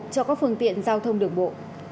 cho các phương tiện giao thông đường bộ